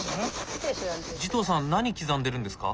慈瞳さん何刻んでるんですか？